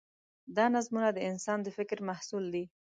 دا نظمونه د انسان د فکر محصول دي.